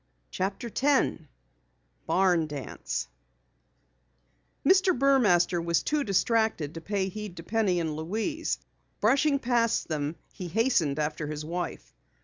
CHAPTER 10 BARN DANCE Mr. Burmaster was too distracted to pay heed to Penny and Louise. Brushing past them, he hastened after his wife.